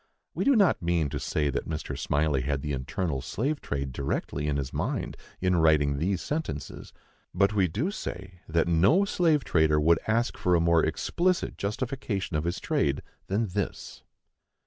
We do not mean to say that Mr. Smylie had the internal slave trade directly in his mind in writing these sentences; but we do say that no slave trader would ask for a more explicit justification of his trade than this.